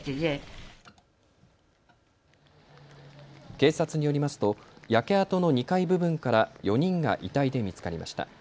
警察によりますと焼け跡の２階部分から４人が遺体で見つかりました。